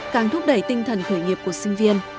càng thúc đẩy tinh thần khởi nghiệp của sinh viên